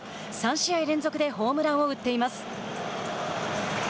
３試合連続でホームランを打っています。